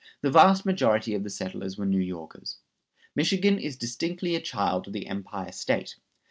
The vast majority of the settlers were New Yorkers. Michigan is distinctly a child of the Empire State.